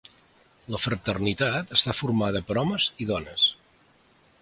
La fraternitat està formada per homes i dones.